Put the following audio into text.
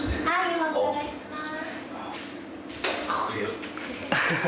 今お伺いします。